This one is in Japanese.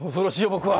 僕は。